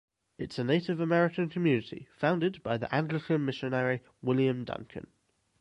It’s a native American community founded by the Anglican missionary William Duncan.